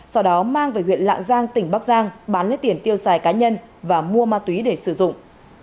sau đó mang về huyện lạng giang tỉnh bắc giang bán lấy tiền tiêu xài cá nhân và mua ma túy để sử dụng